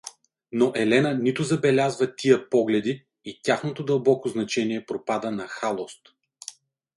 Но Елена нито забелязва тия погледи и тяхното дълбоко значение пропада на халост.